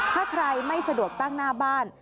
ถ้าใครไม่สะดวกตั้งหน้าบ้าน